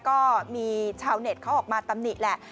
ก็มีชาวเน็ตเขาออกมาตำหนิแหละ